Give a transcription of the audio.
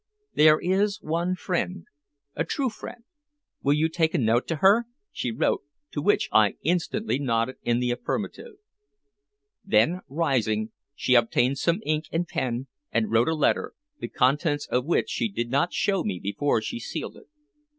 "There is one friend a true friend. Will you take a note to her?" she wrote, to which I instantly nodded in the affirmative. Then rising, she obtained some ink and pen and wrote a letter, the contents of which she did not show me before she sealed it.